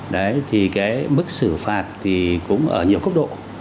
đấy thì cái mức xử phạt thì cũng ở nhiều cấp độ